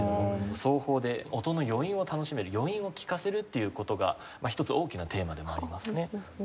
奏法で音の余韻を楽しめる余韻を聴かせるっていう事がまあ一つ大きなテーマでもありますね。